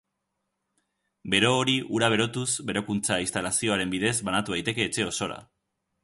Bero hori ura berotuz berokuntza instalazioaren bidez banatu daiteke etxe osora.